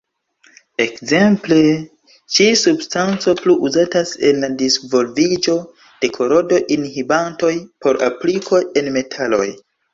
Ekzemple, ĉi-substanco plu uzatas en la disvolviĝo de korodo-inhibantoj por aplikoj en metaloj.